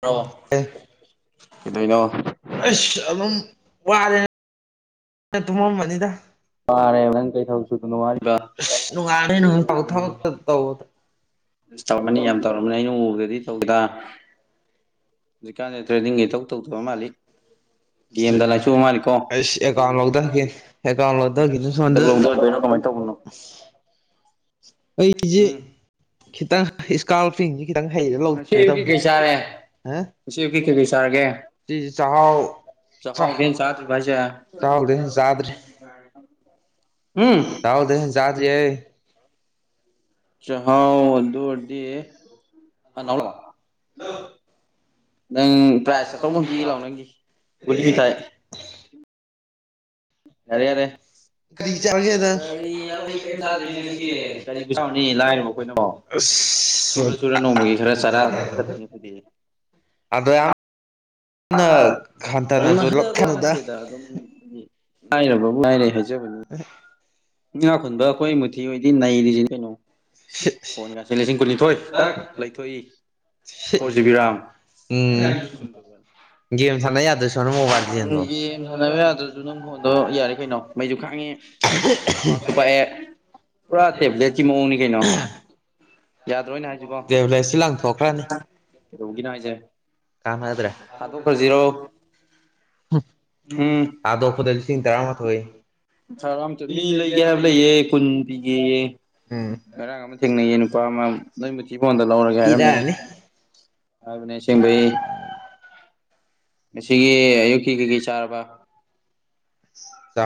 ꯑꯣ ꯀꯩꯗꯩꯅꯣ ꯑꯁ ꯑꯗꯨꯝ ꯋꯥꯔꯦ ꯇꯨꯝꯃꯥꯝꯃꯕꯅꯤꯗꯥ ꯋꯥꯔꯦꯕꯥ ꯅꯪ ꯀꯔꯤ ꯊꯕꯛ ꯁꯨꯗꯅꯥ ꯋꯥꯔꯤꯕꯥ ꯅꯣꯉꯜꯗꯩꯩ ꯅꯨꯃꯤꯠ ꯇꯥꯐꯥꯎ ꯊꯕꯛ ꯇꯥ ꯇꯧꯗꯅ ꯑ ꯇꯧꯔꯝꯃꯅꯤ ꯌꯥꯝ ꯇꯧꯔꯝꯃꯅꯤ ꯑꯩꯅ ꯎꯕꯗꯗꯤ ꯇꯧꯗꯦꯗ ꯍꯧꯖꯤꯛꯀꯥꯟꯗ ꯇ꯭ꯔꯦꯟꯅꯤꯡꯒ ꯢꯇꯧ ꯇꯧꯗꯕ ꯃꯥꯜꯂꯤ ꯒꯦꯝꯗ ꯂꯩꯆꯨꯕꯥ ꯃꯥꯅꯤꯀꯣ ꯑꯩꯁ ꯑꯦꯀꯥꯎꯟ ꯂꯧꯊꯒꯦ ꯑꯦꯀꯥꯎꯟ ꯂꯧꯊꯒꯦꯅ ꯇꯧꯒꯅꯣ [inaudible] ꯑꯩꯩꯖꯤ [inaudible] ꯈꯤꯇꯪ ꯏꯁꯀꯥꯔꯄꯤꯌꯟꯁꯤ ꯈꯤꯇꯪ ꯍꯩꯔ ꯉꯁꯤ ꯑꯌꯨꯛꯀꯤ ꯂꯧꯒꯕꯅꯤ ꯀꯩ ꯆꯥꯔꯦ [inaudible] ꯉꯁꯤ ꯑꯌꯨꯛꯀꯤ ꯀꯩ ꯀꯩ ꯆꯥꯔꯀꯦ ꯁꯤ ꯆꯍꯥꯎ ꯑꯊꯦꯟ ꯆꯥꯗ꯭ꯔꯤꯕ ꯍꯥꯏꯁꯦ ꯆꯥꯍꯥꯎ ꯗꯩꯩ ꯍꯦꯟꯅꯥ ꯆꯥꯗ꯭ꯔꯦ ꯎꯝ ꯆꯥꯍꯥꯎ ꯗꯩꯩ ꯍꯦꯟꯅꯥ ꯆꯥꯗꯦ ꯆꯍꯥꯎꯗꯤ ꯑꯅ ꯅꯪ ꯄ꯭ꯔꯥꯏꯖ ꯑꯆꯧꯕ ꯑꯃ ꯄꯤꯒ ꯂꯥꯛꯑꯣ ꯅꯪꯒꯤ ꯒꯨꯂꯤꯥꯏ ꯌꯥꯔꯦ ꯌꯥꯔꯦ ꯀꯔꯤ ꯆꯥꯒꯦꯗ ꯀꯔꯤ ꯑꯩ ꯀꯔꯤꯝ ꯆꯥꯗ꯭ꯔꯤ ꯉꯁꯤꯒꯤ ꯀꯔꯤꯕ ꯆꯥꯎꯅꯤ ꯂꯥꯏ ꯑꯩꯈꯣꯏꯅꯣ ꯑꯁ ꯁꯨꯔ ꯁꯨꯔ ꯅꯣꯡꯃꯒꯤ ꯈꯔ ꯆꯔꯥꯔꯝꯗꯕ ꯈꯛꯇꯅꯤ ꯍꯥꯏꯗꯤ ꯑꯗ ꯌꯥꯝ ꯅ ꯍꯟꯊꯅꯁꯨ ꯂꯛꯊꯅꯨꯗ ꯃꯗꯅꯠꯇꯦꯗ ꯑꯗꯨꯝ ꯂꯥꯏꯔꯕꯕꯨ ꯂꯥꯏꯔꯦ ꯍꯥꯏꯖꯕꯅꯤ ꯉꯥꯈꯨꯟꯕ ꯑꯩꯈꯣꯏ ꯃꯨꯊꯤ ꯍꯗꯤ ꯅꯩꯔꯤꯁꯤ ꯀꯩꯅꯣ ꯐꯣꯟ ꯉꯁꯤ ꯂꯤꯁꯤꯡ ꯀꯨꯟꯅꯤꯊꯣꯏ ꯗꯛ ꯂꯩꯊꯣꯛꯏ ꯑꯣ ꯖꯤꯕꯤꯔꯥꯝ ꯑ ꯎꯝ ꯅꯪꯖꯤꯕꯨ ꯁꯨꯝ ꯇꯧꯒꯦꯅꯦ ꯒꯦꯝ ꯁꯥꯟꯅ ꯌꯥꯗꯣꯏ ꯁꯔꯨꯛ ꯃꯣꯕꯥꯏꯜ ꯂꯤꯖꯦꯟꯕꯨ ꯦꯝ ꯁꯥꯟꯅꯕ ꯌꯥꯗ꯭ꯔꯁꯨ ꯅꯪ ꯐꯣꯟꯗꯣ ꯌꯥꯔꯦ ꯀꯩꯅꯣ ꯃꯩꯁꯨ ꯈꯥꯡꯉꯦ ꯄꯥꯛꯁꯨ ꯄꯑ ꯄꯨꯔꯥ ꯇꯦꯕ꯭ꯂꯦꯠꯁꯤ ꯃꯑꯣꯡꯅꯤ ꯀꯩꯅꯣ ꯌꯥꯗ꯭ꯔꯣꯏꯅꯦ ꯍꯥꯏꯁꯤꯕꯣ ꯇꯦꯕ꯭ꯂꯦꯠꯁꯤ ꯂꯪꯊꯣꯛꯈ꯭ꯔꯅꯤ ꯀꯩꯗꯧꯕꯒꯤꯦꯅꯣ ꯍꯥꯏꯁꯦ ꯀꯝꯗ꯭ꯔꯦ ꯈꯖꯤꯔꯣ ꯎꯝ ꯊꯥꯗꯣꯛꯄꯗ ꯂꯤꯁꯤꯡ ꯇꯔꯥꯃꯥꯊꯣꯏ ꯃꯤ ꯂꯩꯒꯦ ꯍꯥꯏꯕ ꯂꯩꯌꯦ ꯀꯨꯟ ꯄꯤꯒꯦ ꯉꯔꯥꯡ ꯑꯃ ꯊꯦꯡꯅꯌꯦ ꯅꯨꯄꯥ ꯑꯃ ꯂꯣꯏꯅꯃꯛꯀꯤꯤ ꯐꯣꯟꯗ ꯂꯧꯔꯒꯦ ꯍꯥꯏꯔꯝꯃꯦꯑꯦ ꯄꯤꯔꯛꯑꯅꯤ ꯑꯚꯅꯦꯤꯡꯚꯩ ꯉꯁꯤꯒꯤ ꯑꯌꯨꯛꯀꯤ ꯀꯩꯀꯩ ꯆꯥꯔꯕ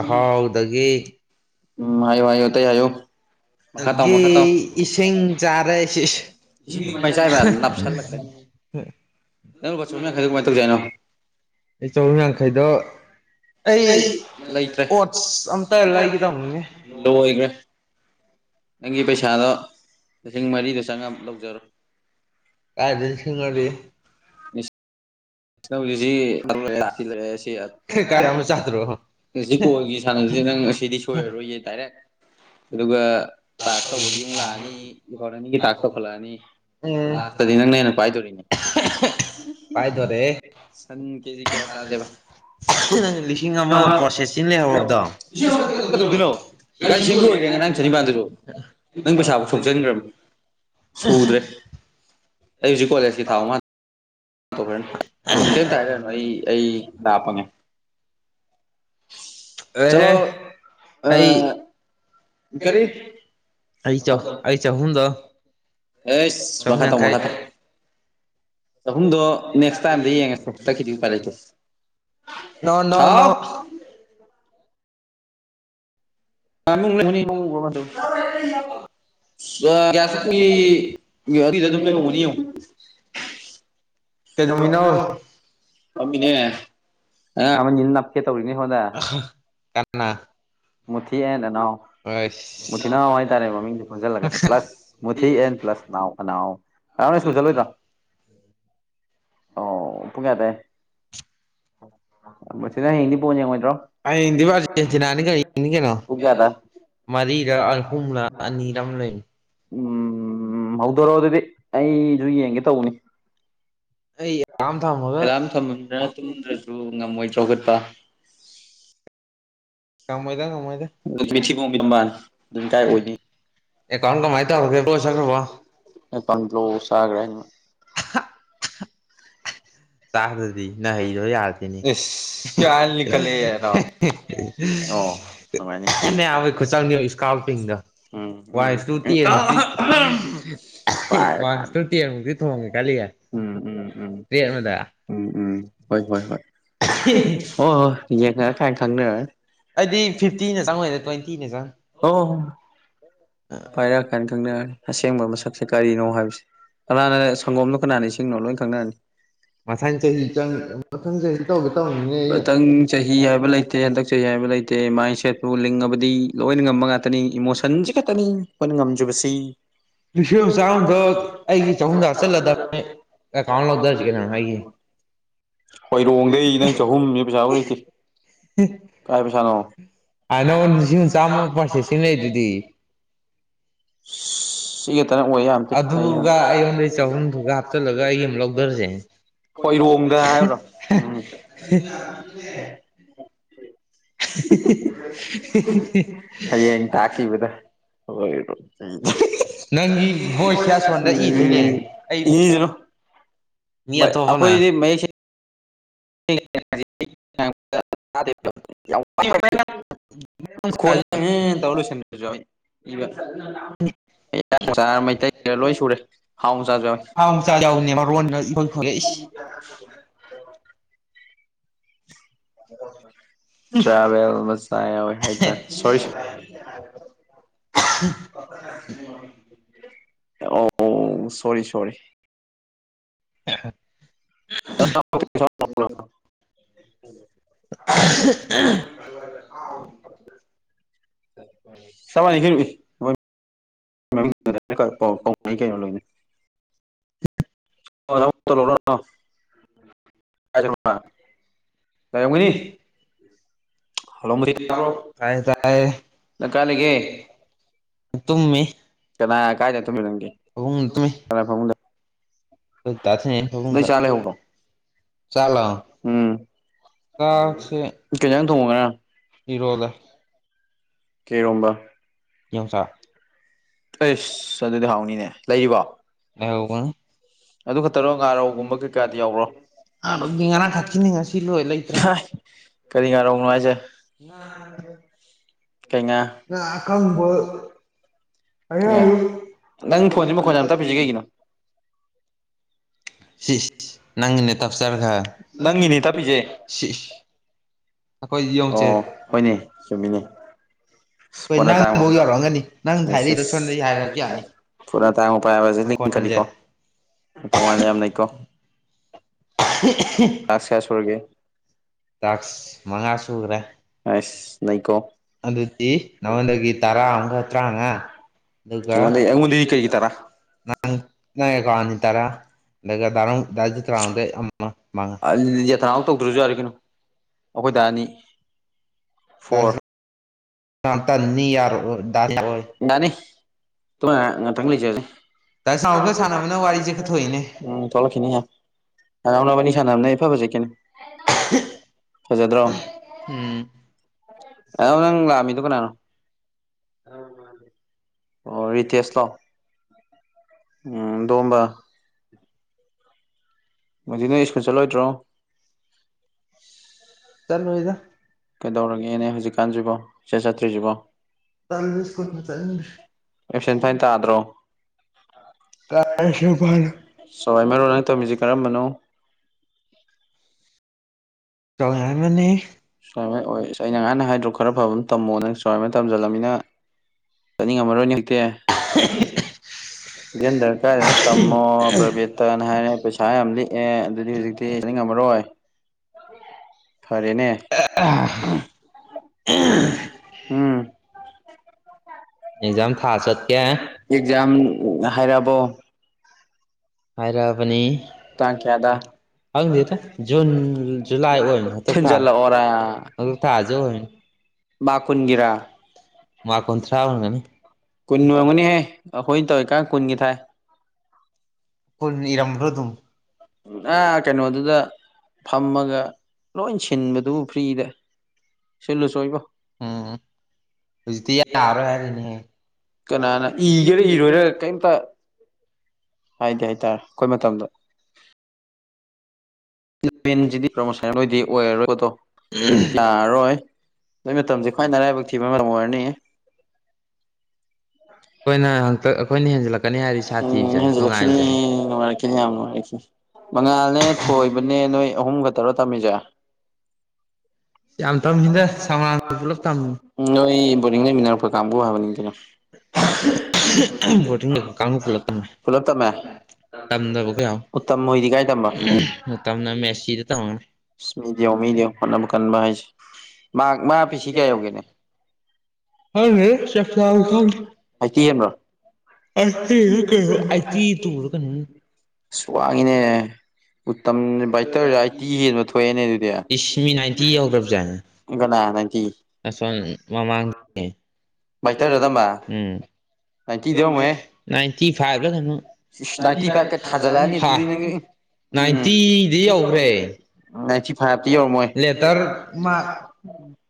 ꯎꯝ ꯎꯝ ꯍꯥꯏꯌꯣ ꯍꯥꯏꯌꯣ ꯑꯇꯩ ꯍꯥꯏꯌꯣ ꯃꯈꯥ ꯇꯥ ꯑꯗꯒꯤ ꯃꯈꯥ ꯇꯥꯎ ꯏꯁꯤꯡ ꯆꯥꯔꯦ ꯑꯩ ꯏꯁꯤꯡꯗꯤ ꯀꯃꯥꯏꯅ ꯆꯥꯏꯕ ꯅꯥꯞꯁꯤꯜꯂꯛꯀꯅꯤ ꯅꯪꯠ ꯌꯥꯡꯈꯩꯗ ꯀꯃꯥꯏꯅ ꯇꯧꯖ ꯍꯥꯏꯅꯣ ꯑꯩ ꯆꯍꯨꯝ ꯌꯥꯡꯈꯩꯗꯣ ꯑꯩ ꯂꯩꯇ꯭ꯔꯦ ꯑꯣꯠꯁ ꯑꯝꯇ ꯂꯩꯒꯗꯕꯅꯤꯅꯦ ꯂꯣꯏꯒ꯭ꯔꯦ ꯅꯪꯒꯤ ꯄꯩꯁꯥꯗꯣ ꯂꯤꯁꯤꯡ ꯃꯔꯤꯗ ꯆꯪꯉ ꯂꯧꯖꯔꯣ ꯀꯥꯏꯗ ꯁꯉꯔꯤ ꯀꯁꯤ ꯃꯔ ꯂꯩꯁꯤ ꯀꯥꯏ ꯑꯃ ꯆꯥꯗ꯭ꯔꯣ ꯉꯁꯤꯀꯣꯜꯒꯤ ꯁꯥꯟꯅꯕꯁꯤ ꯅꯪ ꯉꯁꯤꯗꯤ ꯁꯣꯏꯔꯔꯣꯏꯌꯦ ꯗꯥꯏꯔꯦꯛ ꯑꯗꯨꯒ ꯇꯥꯛ ꯇꯧꯕꯒꯤ ꯑꯃꯨꯛ ꯂꯥꯛꯑꯅꯤ ꯏꯀꯣꯔꯔꯅꯤꯒꯤ ꯇꯥꯛ ꯇꯧꯈꯠꯂꯛꯑꯅꯤ ꯎꯝ ꯂꯥꯁꯇꯗꯤ ꯅꯪꯅ ꯍꯦꯟꯅ ꯄꯥꯏꯗꯣꯔꯤꯅꯦ ꯄꯥꯏꯊꯔꯦ ꯁꯟ ꯀꯦꯖꯤ ꯀꯌꯥ ꯆꯥꯁꯦꯕ ꯅꯪ ꯂꯤꯁꯤꯡ ꯑꯃ ꯄ꯭ꯔꯣꯁꯦꯁꯁꯤ ꯂꯩꯍꯧꯔꯕꯗꯣ ꯑꯃꯈ ꯈꯛꯇ ꯀꯧꯗꯤꯅꯣ ꯒꯥꯔꯤ ꯁꯦꯝꯕ ꯂꯣꯏꯈ꯭ꯔꯦ ꯉꯔꯥꯡ ꯆꯅꯤꯄꯥꯟꯗꯨꯁꯨ ꯅꯪ ꯄꯩꯁꯥꯐꯥꯎ ꯊꯣꯛꯣꯛꯆꯟꯈ꯭ꯔꯕꯅꯤ ꯁꯨꯗꯦ ꯑꯩ ꯍꯧꯖꯤꯛ ꯀꯣꯂꯦꯖꯀꯤ ꯊꯥꯎꯑꯣ ꯃꯥꯜꯦ ꯣꯛꯈ꯭ꯔꯅꯤ ꯑꯩꯉꯣꯟꯗ ꯀꯔꯤꯝꯇ ꯍꯥꯏꯔꯛꯑꯅꯨ ꯑꯩ ꯑꯩ ꯂꯥꯛꯄꯉꯦ ꯑꯦꯍꯦ ꯆꯂꯣ ꯑ ꯑꯩ ꯀꯦꯔꯤ ꯑꯩ ꯆꯧ ꯑꯩ ꯆꯍꯨꯝꯗꯣ ꯑꯦꯁ ꯆꯍꯨꯝ ꯃꯈꯥ ꯇꯣ ꯌꯥꯡꯈꯩ ꯃꯈꯥ ꯇꯧ ꯆꯍꯨꯝꯗꯣ ꯅꯦꯛꯁ ꯇꯥꯏꯝꯗ ꯌꯦꯡꯉꯁꯛꯇꯀꯤꯈꯤꯗꯤ ꯎ ꯄꯥꯏꯔꯀꯦ ꯂꯣꯅꯅꯣ ꯑꯗ ꯀꯌꯥ ꯑꯗꯨꯝꯅꯤ ꯌꯦꯡꯉ ꯀꯩꯗꯧꯃꯤꯅꯣ ꯑ ꯑꯃꯞꯦ ꯀꯅꯥ ꯃꯊꯤꯗꯅꯥ ꯃꯨꯊꯤ ꯑꯁ ꯅꯥꯎ ꯍꯥꯏꯇꯥꯔꯦ ꯃꯃꯤꯡꯗꯨꯣ ꯄꯨꯟꯁꯤꯜꯂꯒ ꯄ꯭ꯂꯁ ꯃꯨꯊꯤ ꯑꯦꯟ ꯄ꯭ꯂꯁ ꯅꯅꯥꯎ ꯑꯅꯥꯎ ꯔꯥꯃꯦꯁꯕꯨ ꯆꯂꯣꯏꯗ ꯑꯣ ꯄꯨꯨꯡ ꯉꯦꯇꯦ ꯄ ꯅ ꯍꯅꯤ ꯄ ꯌꯦꯠꯇ꯭ꯔꯣ ꯍꯌꯦꯡꯗꯤꯕꯨ ꯑꯥꯔꯖꯦꯟꯇꯤꯅꯥꯅꯤ ꯀꯔꯤꯅꯤ ꯀꯩꯅꯣ ꯄꯨꯒꯦꯗ ꯃꯔꯤꯔ ꯑꯍꯨꯝꯂ ꯑꯅꯤꯔꯝ ꯂꯩ ꯎꯝ ꯍꯧꯗꯣꯔꯛꯑꯣ ꯑꯗꯨꯗꯤ ꯑꯩꯁꯨ ꯌꯦꯡꯒꯦ ꯇꯧꯕꯅꯤ ꯑꯩ ꯑꯦꯀꯥꯎꯟ ꯊꯝꯃꯒ ꯑꯦꯂꯝ ꯊꯃ ꯇ ꯑꯗꯨ ꯉꯝꯃꯣꯏ ꯆꯥꯎꯈꯠꯄ ꯉꯝꯃꯣꯏꯗ ꯉꯝꯃꯣꯏꯗ ꯊꯕꯨꯔꯃꯜ ꯑꯗꯨ ꯀꯥꯏ ꯑꯣꯏꯅꯤ ꯑꯦꯀꯥꯎꯟ ꯀꯃꯥꯏꯅ ꯇꯧꯔꯒꯦꯕꯣ ꯆꯈ꯭ꯔꯕꯣ ꯄꯟꯂꯣ ꯁꯥꯒ꯭ꯔ ꯆꯥꯗ꯭ꯔꯗꯤ ꯅꯍꯩꯗꯣ ꯌꯥꯔꯁꯤꯅꯤ ꯏꯁ ꯌꯥꯝ ꯂꯤꯡꯈꯠꯂꯛꯑꯦ ꯅꯥꯎ ꯑꯣ ꯑꯗꯨꯃꯥꯏꯅ ꯅ ꯈꯨꯆꯥꯎꯅꯤ ꯏꯁꯀꯥ ꯄꯤꯗ ꯎꯝ ꯎꯝ ꯄꯔꯔ ꯋꯥꯟ ꯈꯥꯟ ꯏꯁꯇꯨ ꯇꯦꯟꯃꯨꯛꯇꯤ ꯊꯣꯡꯒꯦ ꯈꯜꯂꯤꯌꯦ ꯎꯝ ꯎꯝ ꯎꯝ ꯇ꯭ꯔꯦꯠ ꯑꯃꯗ ꯎꯝ ꯎꯝ ꯍꯣꯏ ꯍꯣꯏ ꯍꯣꯏ ꯍꯣꯏ ꯍꯣꯏ ꯌꯦꯡꯉ ꯀ ꯈꯪꯅꯔꯒꯦ ꯑꯩꯗꯤ ꯐꯤꯐꯇꯤꯅ ꯆꯪꯉꯣꯏꯗ ꯇ꯭ꯋꯦꯟꯇꯤꯅ ꯆꯪ ꯑꯣ ꯄꯔ ꯀꯅꯤ ꯇ ꯌꯥꯅꯤ ꯑꯁꯦꯡꯕ ꯃꯁꯛꯁꯦ ꯀꯔꯤꯅꯣ ꯍꯥꯏꯕꯁꯦ ꯀꯅꯥꯅꯅ ꯁꯪꯒꯣꯝꯅ ꯈꯨꯅꯥꯅꯤ ꯁꯤꯁꯤꯡꯅꯣ ꯂꯣꯏꯅ ꯈꯪꯅꯔꯅꯤ ꯃꯊꯪ ꯄꯇ ꯆꯍꯤ ꯆꯪ ꯆ ꯃꯊꯪ ꯆꯍꯤ ꯇꯧꯒꯦ ꯇꯧꯅꯤꯅꯦ ꯑꯩꯅ ꯆꯠꯇꯦ ꯍꯟꯗꯛ ꯆꯍꯤ ꯍꯥꯏꯕ ꯂꯩꯇꯦ ꯃꯥꯏꯟ ꯁꯦꯠꯄꯨ ꯂꯤꯡꯉꯕꯗꯤ ꯂꯣꯏꯅ ꯉꯝꯕ ꯉꯥꯛꯇꯅꯤ ꯏꯃꯣꯁꯟꯁꯦ ꯈꯅꯤ ꯑꯩꯈꯣꯏꯅ ꯉꯝꯖꯕꯁꯤ ꯂꯤꯁꯤꯡ ꯑꯃ ꯁ ꯆꯥꯝꯃꯗꯣ ꯑꯩꯒꯤ ꯆꯍꯨꯝꯗ ꯍꯥꯞꯆꯤꯜꯂꯗꯕ ꯆꯀ ꯗꯦ ꯑꯦꯀꯥꯎꯟ ꯂꯧꯗꯔꯁꯤ ꯀꯩꯅꯣ ꯑꯩꯒꯤ ꯍꯣꯏꯔꯣꯡꯗꯩ ꯅꯪ ꯆꯍꯨꯝꯁꯦ ꯄꯩꯁꯥꯃꯨꯛ ꯂꯩꯇꯦ ꯀꯥꯏ ꯄꯩꯁꯥꯅꯣ ꯍꯥꯟꯅ ꯅꯉꯣꯟꯗ ꯂꯤꯁꯤꯡ ꯑꯃ ꯆꯥꯝꯃ ꯄ꯭ꯔꯣꯁꯦꯁꯤꯡ ꯂꯩꯗꯨꯗꯤ ꯁꯤ ꯑꯣꯏ ꯌꯥꯝꯇ ꯀ ꯑꯗꯨꯒ ꯑꯩꯉꯣꯟꯗꯩ ꯆꯍꯨꯝꯗꯨꯒ ꯍꯥꯞꯆꯤꯜꯂꯒ ꯑꯩꯒꯤ ꯑꯃ ꯂꯧꯗꯔꯁꯦ ꯈꯣꯏꯔꯣꯡꯗ ꯍꯥꯏꯕ꯭ꯔꯣ ꯎꯝ ꯍꯌꯦ ꯇꯥꯀꯤꯕꯗ ꯍ ꯅꯪꯒꯤ ꯚꯣꯏꯁꯁꯦ ꯑꯁꯣꯟꯗ ꯏꯗꯣꯏꯅꯦ ꯑꯩ ꯌꯦꯅ ꯃꯤ ꯑꯇꯣꯞꯄꯅ ꯑꯩꯈꯣꯏꯗꯤ ꯃꯍꯌꯦꯛ [inaudible] ꯇꯧꯕ ꯆꯅ ꯂ ꯑꯦ ꯆꯥꯔ ꯃꯩꯇꯩꯔ ꯂꯣꯏ ꯁꯨꯔꯦ ꯍꯥꯎꯅ ꯆꯥꯖꯋꯦ ꯍꯥꯎ ꯆꯥꯛ ꯌꯥꯎꯅꯦ ꯃꯔꯣꯟꯒ ꯎ ꯍꯂꯣ ꯑꯣ ꯇ꯭ꯔꯥꯕꯦꯜ ꯃꯁ ꯍꯥꯏ ꯁꯣꯔꯤ ꯑꯣ ꯁꯣꯔꯤ ꯁꯣꯔꯤ [inaudible] ꯑ [inaudible] ꯁꯃꯅꯤꯈ ꯀꯩꯅꯣꯣꯏ ꯂꯣ ꯀꯒꯅꯤ ꯍꯜꯂꯣ ꯃ ꯇꯥꯕ꯭ꯔꯣ ꯇꯥꯏꯌꯦ ꯇꯥꯏꯌꯦ ꯅꯪ ꯀꯥꯏ ꯂꯩꯒꯦ ꯇꯨꯝꯃꯤ ꯀꯅꯥ ꯀꯥꯏ ꯇ ꯇꯃꯤ ꯅꯪꯦ ꯐꯃꯨꯡꯗ ꯇꯨꯝꯃꯤ ꯀꯅꯥ ꯐꯪ ꯑꯩꯈꯣꯏ ꯗꯥ ꯊꯤꯟꯅꯩ ꯅ ꯐꯃꯨꯡꯗ ꯆꯂꯦ ꯍꯧꯒ ꯆꯥꯛ ꯂꯥꯎ ꯎꯝ ꯀꯩꯅꯖꯪ ꯊꯣꯡꯉꯒꯅ ꯏꯔꯣꯗ ꯀꯩ ꯏꯔꯣꯝꯕ ꯌꯣꯡꯆꯥꯛ ꯑꯩꯁ ꯑꯗꯨꯗꯤ ꯍꯥꯎꯅꯤꯅꯦ ꯂꯩꯔꯤꯕꯣ ꯂꯩꯍꯧꯕꯅꯤ ꯑꯗꯨ ꯈꯛꯇꯔꯣ ꯉꯥꯔꯧꯒꯨꯝꯕ ꯀꯩꯀꯥꯗꯤ ꯌꯥꯎꯕꯔꯣ ꯉꯥꯗꯨꯗꯤ ꯉꯔꯥꯡ ꯈꯥꯛꯀꯤꯅꯤ ꯉꯁꯤ ꯂꯣꯏ ꯂꯩꯇ꯭ꯔꯦ [unintelligible] ꯀꯔꯤ ꯉꯔꯧꯅꯣ ꯍꯥꯏꯖꯦ ꯉꯥ ꯉꯥꯗꫭ ꯀꯩ ꯉꯥ ꯉꯥ ꯑꯇꯥꯎꯕꯗꫭ ꯑꯌꯥꯏꯕ ꯉꯔꯥꯡꯗꯤ ꯅꯪ ꯐꯣꯟꯖꯤ ꯃꯈꯣꯟ ꯌꯥꯝ ꯇꯞꯄꯤꯖꯤ ꯀꯩꯒꯤꯅꯣ ꯁꯤꯁ ꯅꯪꯉꯤꯅ ꯇꯞ ꯆꯕ ꯈ ꯔ ꯅꯪꯒꯤꯅꯦ ꯅꯪꯒꯤꯅꯤ ꯇꯞꯄꯤꯁꯦ ꯍꯥꯏꯖꯦ ꯏꯁ [inaudible] [unintelligible] ꯑꯣ ꯍꯣꯏꯅꯦ ꯆꯨꯝꯃꯤꯅꯦ ꯄꯨꯟꯅ ꯇꯥꯃ ꯅꯪꯐꯧ ꯌꯧꯔꯛꯑꯝꯒꯅꯤ ꯅꯪ ꯍꯥꯏꯔꯛꯏꯗꯣ ꯁꯦꯁ ꯁꯣꯝꯗꯒꯤ ꯍꯥꯏꯔꯛꯑꯁꯨ ꯌꯥꯅꯤ [unintelligible] ꯐꫭꯟ ꯑꯇꯥꯡꯕ ꯄꯥꯏꯕꯖꯦ ꯃꯈꯣꯟꯁꯦ ꯂꯤꯡꯈꯠꯂꯤꯀꯣ ꯃꯇꯧ ꯃꯥꯟꯗꯅ ꯌꯥꯝ ꯅꯩꯀꯣ ꯇꯥꯁ ꯀꯌꯥ ꯁꯨꯔꯒꯦ ꯇꯥꯛꯁ ꯃꯉꯥ ꯃꯪꯉꯥ ꯁꯨꯈ꯭ꯔꯦ ꯁꯨꯒꯔꯦ ꯑꯁ ꯅꯩꯀꯣ ꯑꯗꯨꯗꯤ ꯅꯉꯣꯟꯗꯒꯤ ꯇꯔꯥ ꯑꯃꯒ ꯇꯔꯥ꯭ꯡꯉꯥ ꯑꯗꯨꯒ ꯑꯩꯉꯣꯟꯗꯩ ꯑꯩꯉꯣꯟꯗꯩꯗꯤ ꯀꯩꯒꯤ ꯇꯔꯥ [unintelligible] ꯅꯪꯪ ꯅꯪ ꯑꯦꯀꯥꯎ꯭ꯟꯗꯤ ꯇꯔꯥ ꯑꯗꯨꯒ ꯗꯅꯥꯎ ꯗꯥꯖꯤꯇꯔꯥꯝꯗꯩ ꯑꯃ ꯃꯉꯥ ꯑꯗꯨꯗꯤ ꯌꯦꯇꯔꯥꯎ ꯇꯧꯗ꯭ꯔꯖꯨ ꯌꯥꯔꯦ ꯀꯩꯅꯣ ꯑꯈꯣꯏꯗ ꯑꯅꯤ ꯐꯣꯔ ꯇꯟꯅꯤ ꯌꯥꯔꯣꯏ ꯗꯥ ꯌꯥꯔꯣꯏ [unintelligible] ꯗꯥꯅꯤꯇꯨꯝꯃ ꯉꯥꯛꯇꯪ ꯂꯩꯖꯅꯤ ꯗꯥ ꯁꯥꯎꯒ ꯁꯥꯟꯅꯕꯅ ꯋꯥꯔꯤꯁꯦ ꯈꯔ ꯊꯣꯛꯏꯅꯦ [unintelligible] ꯎꯝ ꯊꯣꯛ ꯂꯛ ꯈꯤꯅꯤꯌꯦ ꯗꯅꯥꯎ ꯅꯕꯥꯏꯅꯤ ꯁꯥꯟꯅꯕꯅꯦ ꯐꯕꯖꯦ ꯀꯩꯅꫭ ꯐꯖꯗ꯭ꯔꯣ ꯎꯝ ꯑꯗꫭ ꯅꯪ ꯂꯥꯛ ꯑꯝꯃꯤꯗꫭ ꯀꯅꯥꯅꯣ ꯑꯣ ꯔꯤꯇꯦꯁ ꯂꯣ ꯎꯝ ꯗꯣꯝꯕ ꯃꯨꯖꯤ ꯅꫭꯏ ꯏꯁ꯭ꯀꯨꯜ ꯆꯠꯂꯣꯏꯗ꯭ꯔꯣ ꯆꯠꯂꯣꯏꯗ ꯀꯩꯗꯧꯔꯒꯦꯅꯦ ꯍꯧꯖꯤꯛꯀꯥꯟꯖꯤꯕꯣ ꯁꯨ ꯆꯠꯇ꯭ꯔꯤꯖꯤꯕꯣ ꯇꯜꯂꯦ ꯁ꯭ꯀꯨꯜꯒ ꯏꯁ꯭ꯀꯨꯜꯒ ꯆꯠꯅꯤꯡꯗ꯭ꯔꯦ ꯆꯠꯅꯤꯡꯗꯔꯦ ꯑꯦꯞꯁꯦꯟ ꯐꯥꯏꯟ ꯇꯥꯗ꯭ꯔꯣ ꯀꯥꯏꯗꯩ ꯑꯦꯞꯁꯦꯟ ꯀꯥꯏꯗꯅꯣ ꯐꯥꯏꯟꯅꫭ ꯇꯋꯥꯏꯃ ꯅꯪꯅ ꯇꯧꯔꯝꯃꯤꯖꯦ ꯀꯔꯝꯕꯅꯣ ꯇꯧ ꯌꯥꯏ ꯃ ꯅꯦ ꯐꫭꯔꯃꯦꯠ ꯑꯣꯏꯌꯦ ꯑꯁ ꯑꯩꯅ ꯉꯍꯥꯟꯅ ꯍꯥꯏꯗ꯭ꯔꯣ ꯈꯔ ꯐꯕ ꯑꯃ ꯇꯝꯃꯣ ꯅ ꯁꯨꯃꯥꯏꯅ ꯇꯝꯖꯜꯂꯝꯃꯤꯅ ꯆꯠꯅꯤꯡꯉꯝꯃꯔꯣꯏꯅꯦ ꯍꯧꯖꯤꯛꯇꯤ [unintelligible] ꯗꯤ ꯑꯦꯝ ꯗꯔ ꯀꯥꯏꯗꯅꫭ ꯇꯝꯃꯣ ꯄ꯭ꯔꯕꯦꯠꯇꯅ ꯍꯥꯏꯔꯦ ꯄꯩꯁꯥ ꯌꯥꯝ ꯂꯤꯛꯑꯦ ꯑꯗꯨꯗꯤ ꯍꯧꯖꯤꯛꯇꯤ ꯆꯠ ꯅꯤꯡꯉꯝꯃꯔꫭ ꯔꫭꯏ ꯐꯔꯦꯅꯦ ꯎꯝ ꯎꯝ ꯎꯝ ꯑꯦꯛꯖꯥꯝ ꯊꯥ ꯆꯠꯀꯦ [unintelligible] ꯑꯦꯛꯖꯥꯝ ꯍꯥꯏꯔꯛꯑꯕꯣ ꯍꯥꯏꯔꯛꯑꯕꯅꯤ ꯇꯥꯡ ꯀꯌꯥꯗ ꯈꯪꯗꯦꯗ ꯖꯨꯟ ꯖꯨꯂꯥꯏ ꯑꯣꯏꯕꯅꯤ [unintelligible] ꯍꯟꯗꯛ ꯊꯥ ꯊꯖꯜꯂ ꯑꯣꯔ ꯍꯟꯗꯛ ꯊꯥꯁꯦ ꯑꯣꯏꯔꯅꯤ [unintelligible] ꯃꯥꯛ ꯀꯨꯟ ꯒꯤꯔ ꯃꯥꯛ ꯀꯨꯟꯊꯔꯥ ꯑꫭꯏꯔꯝꯒꯅꯤ ꯀꯨꯟ ꯑꫭꯏꯔꯝꯒꯅꯤꯍꯦ ꯑꯈꯣꯏ ꯇꯧꯔꯤꯀꯥꯟ ꯀꯨꯟꯒꯤ ꯊꯥꯏ ꯀꯨꯟ ꯏꯔꯝꯗꫭ ꯑꯗꯨꯝ ꯎꯝ ꯑꯥ ꯀꯩꯅꯣꯗꯨꯗ ꯐꯝꯃꯒ ꯂꯣꯏ ꯁꯤꯟꯕꯗꯨꯕꯨ ꯐ꯭ꯔꯤꯗ ꯁꯤꯂꯨꯆꫭ ꯏꯕꫭ ꯎꯝ ꯍꯧꯖꯤꯛꯇꯤ ꯌꯥꯔꫭꯏ ꯍꯥꯏꯕꯅꯤ ꯍꯦ ꯀꯅꯥꯅ ꯏꯒꯦꯔꯥ ꯏꯔꯣꯏꯔ ꯀꯩꯝꯇ ꯍꯥꯏꯗꯦ ꯍꯥꯏꯇꯥꯔꯦ ꯑꯈꯣꯏ ꯃꯇꯝꯗ ꯇꯨ ꯌꯦꯟꯖꯤꯗꯤ ꯄ꯭ꯔꯣꯃꯣꯁꯟ ꯑꯣꯏꯔꯔꯣꯏꯗꯣ ꯄꫭꯠꯇꫭ ꯂꯥꯛꯑꯔꯣꯏ ꯅꯣꯏ ꯃꯇꯝꯁꯦ ꯈ꯭ꯋꯥꯏ ꯃꯔꯥꯏꯕꯛ ꯊꯤꯕ ꯃꯔꯃꯅꯤ [unintelligible] ꯑꯩꯈꯣꯏꯅ ꯍꯟꯇꯛ ꯑꯩꯈꯣꯏꯅ ꯍꯦꯟꯖꯜꯂꯛꯀꯅꯤ ꯍꯥꯏꯗꯤ ꯎꯝ ꯁꯥꯊꯤꯕꯁꯦ ꯍ ꯅꯨꯡꯉꯥꯏꯕꯁꯦ ꯂꯛꯃꯤꯔ ꯌꯥꯝ [unintelligible] ꯃꯉꯥꯜꯅꯦ ꯊꯣꯏꯕꯅꯦ ꯅꯣꯏ ꯑꯍꯨꯝꯒ ꯇꯔꯥ ꯇꯝꯃꯤꯁꯦ ꯌꯥꯝ ꯇꯝꯃꯤꯗ ꯁꯃꯥꯡꯗ ꯄꯨꯂꯞ ꯇꯝꯃꯤ ꯅꯣꯏ ꯕꯣꯔꯅꯤꯡ ꯂꯩꯃꯤꯟꯅꯔꯛꯄ ꯀꯥꯡꯕꯨ ꯍꯥꯏꯕ ꯅꯤꯡꯗꯤꯅꯣ ꯕꯣꯔꯗꯤꯡ ꯂꯩꯕ ꯀꯥꯡꯕꯨ ꯄꯨꯂꯞ ꯇꯝꯃꯦ ꯄꯨꯂꯞ ꯇꯃꯦ ꯇꯝꯗꯕ ꯈꯔ ꯌꯥꯎꯋꯦ ꯎꯠꯇꯝ ꯍꯣꯏꯗꯤ ꯀꯥꯏ ꯇꯝꯕ ꯃꯇꯝꯅ ꯃꯦꯁꯤꯗ ꯇꯝꯃꯝꯃꯦ ꯃꯤꯗꯤ ꯃꯤꯗꯤ ꯌꯦꯉꯣ ꯍꯣꯠꯅꯕꯥ ꯀꯥꯟꯕ ꯍꯥꯏꯁ ꯃꯥ ꯃꯥ ꯄꯤꯁꯤ ꯀꯌꯥ ꯌꯧꯒꯦꯅꯦ ꯈꯪꯗꯦ ꯆꯞ ꯆꯥꯕ ꯈꯪꯗꯦ ꯑꯩꯇꯤ ꯍꯦꯟꯕꯔꯣ ꯑꯩꯠꯇꯤꯔ ꯀꯩꯅꯣ ꯑꯩꯠꯇꯤ ꯇꯨꯔ ꯀꯩꯅꯣꯝ ꯋꯥꯉꯏꯅꯦ ꯚꯥꯏꯇꯧꯁ ꯑꯩꯇꯤ ꯍꯦꯟꯕ ꯊꯣꯛꯑꯦꯅꯦ ꯑꯗꯨꯗꯤ ꯏꯁ ꯃꯤ ꯅꯥꯏꯟꯇꯤ ꯀꯅꯥꯅ ꯃꯥꯏꯟꯇꯌ ꯑꯁ ꯃꯃꯥꯡ ꯕꯥꯏꯇꯔꯗ ꯇꯝꯕ ꯎꯝ ꯅꯥꯏꯟꯇꯤꯗꯤ ꯌꯧꯔꯝꯃꯣꯏꯍꯦ [unintelligible] ꯅꯥꯏꯟꯇꯤꯐꯤꯞ ꯏꯁ ꯅꯥ ꯅꯥꯏꯟꯇꯤ ꯂꯦ ꯐꯥꯏꯚꯀ ꯊꯖ ꯊꯥꯖꯜꯂꯛꯑꯅꯤ ꯑꯗꯨꯗꯤ ꯅꯪ [unintelligible] ꯎꯝ ꯅꯥꯏꯟꯇꯤꯗꯤ ꯌꯧꯈ꯭ꯔꯦ ꯅꯥꯏꯟꯇꯤ ꯐꯥꯏꯚꯇꯤ ꯌꯧꯔꯝꯃꯣꯏ ꯂꯦꯇꯔ ꯃꯥ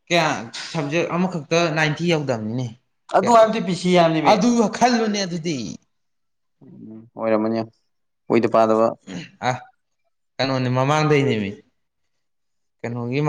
ꯀꯌꯥ ꯁꯕꯖꯦꯛ ꯑꯃꯈꯛꯇ ꯅꯥꯏꯟꯇꯤ ꯌꯧꯗꯝꯕꯅꯤ ꯑꯗꯨ ꯍꯥꯏꯕꯗꯤ ꯄꯤ ꯁꯤ ꯌꯥꯝꯅꯤꯃꯦ ꯑꯗꯨ ꯈꯜꯂꯨꯅꯦ ꯑꯗꯨꯗꯤ ꯎꯝ ꯑꯣꯏꯔꯃꯅꯤ ꯑ ꯀꯩꯅꯣꯅꯦ ꯃꯃꯥꯡꯗꯩꯅꯦꯃꯤ ꯀꯩꯅꯣꯒꯤ